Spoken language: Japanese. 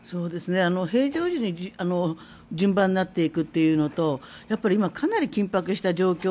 平常時に順番になっていくというのと今、かなり緊迫した状況